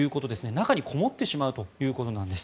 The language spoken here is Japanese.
中にこもってしまうということなんです。